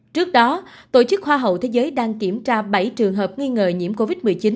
trước đó tổ chức hoa hậu thế giới đang kiểm tra bảy trường hợp nghi ngờ nhiễm covid một mươi chín